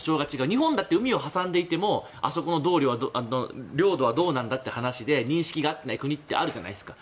日本だって海を挟んでいてもあそこの領土はどうなんだって話で認識が合っていない国ってあるじゃないですか。